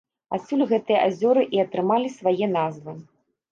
Адсюль гэтыя азёры і атрымалі свае назвы.